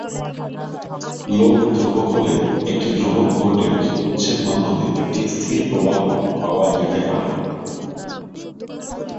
Load ধ্রুবক হলে, একটি ধ্রুবক ভোল্টেজ উৎসের মাধ্যমে একটি স্থির প্রবাহ পাওয়া যেতে পারে।